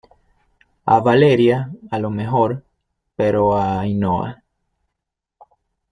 a Valeria a lo mejor, pero a Ainhoa